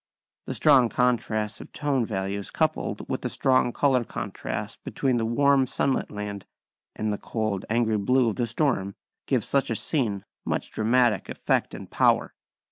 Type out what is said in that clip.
The strong contrasts of tone values coupled with the strong colour contrast between the warm sunlit land and the cold angry blue of the storm, gives such a scene much dramatic effect and power.